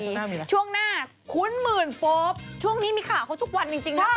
พี่หมื่นโป๊บช่วงนี้มีข่าวของเขาทุกวันจริงนะครับ